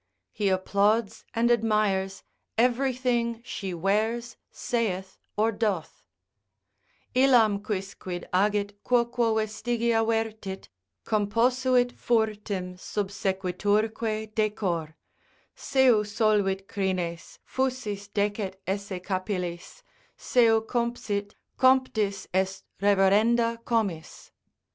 He applauds and admires everything she wears, saith or doth, Illam quicquid agit, quoquo vestigia vertit, Composuit furtim subsequiturque decor; Seu solvit crines, fusis decet esse capillis, Seu compsit, comptis est reverenda comis.